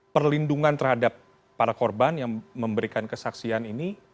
perlindungan terhadap para korban yang memberikan kesaksian ini